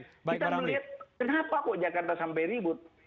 kita melihat kenapa kok jakarta sampai ribut